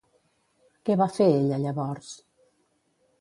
Què va fer ella llavors?